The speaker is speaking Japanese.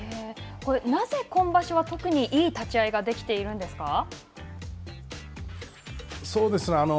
なぜ今場所はいい立ち合いができているんですか。